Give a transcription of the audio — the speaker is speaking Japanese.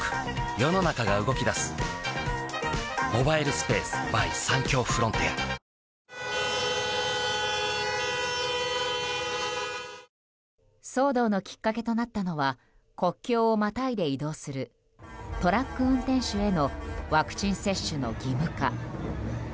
ビールに事件だ騒動のきっかけとなったのは国境をまたいで移動するトラック運転手へのワクチン接種の義務化。